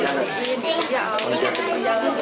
ya akhirnya dia mencantum